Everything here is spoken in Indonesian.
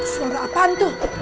suara apaan tuh